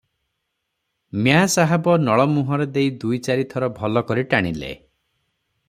ମିଆଁ ସାହାବ ନଳ ମୁହଁରେ ଦେଇ ଦୁଇ ଚାରି ଥର ଭଲ କରି ଟାଣିଲେ ।